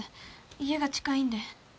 家が近いんで。